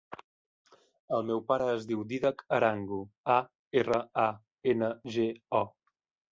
El meu pare es diu Dídac Arango: a, erra, a, ena, ge, o.